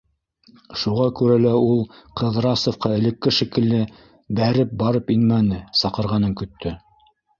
Шуға күрә лә ул Ҡыҙрасовҡа элекке шикелле «бәреп» барып инмәне, саҡырғанын көттө.